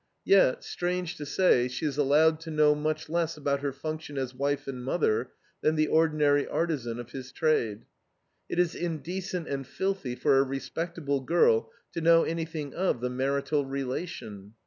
Yet, strange to say, she is allowed to know much less about her function as wife and mother than the ordinary artisan of his trade. It is indecent and filthy for a respectable girl to know anything of the marital relation.